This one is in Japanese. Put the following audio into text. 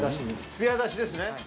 つや出しですね。